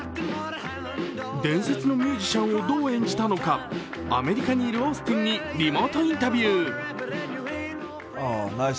伝説のミュージシャンをどう演じたのかアメリカにいるオースティンにリモートインタビュー。